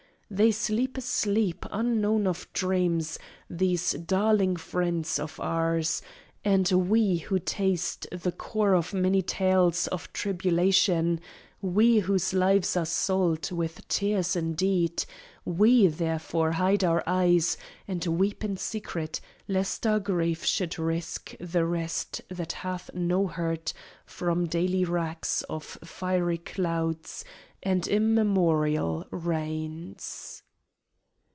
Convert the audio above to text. They sleep a sleep Unknown of dreams, these darling friends of ours. And we who taste the core of many tales Of tribulation we whose lives are salt With tears indeed we therefore hide our eyes And weep in secret, lest our grief should risk The rest that hath no hurt from daily racks Of fiery clouds and immemorial rains.